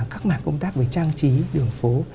các mạng công tác về trang trí đường phố